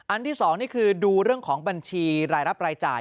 ที่๒นี่คือดูเรื่องของบัญชีรายรับรายจ่าย